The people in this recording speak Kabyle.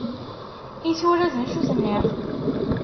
I tura, d acu tenniḍ?